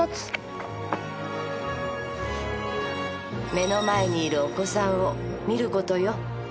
目の前にいるお子さんを見ることよ。